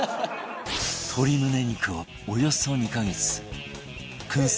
鶏胸肉をおよそ２カ月燻製